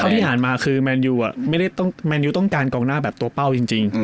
ที่ผ่านมาคือแมนยูแมนยูต้องการกองหน้าแบบตัวเป้าจริง